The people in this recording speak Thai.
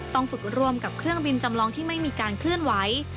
ฝึกร่วมกับเครื่องบินจำลองที่ไม่มีการเคลื่อนไหว